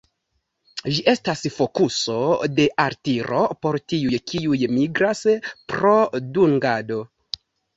Ĝi estas fokuso de altiro por tiuj, kiuj migras pro dungado.